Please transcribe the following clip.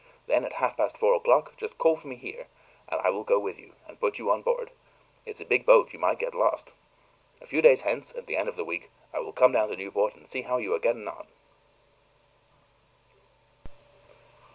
Then, at half past four o'clock, just call for me here, and I will go with you and put you on board. It's a big boat; you might get lost. A few days hence, at the end of the week, I will come down to Newport and see how you are getting on."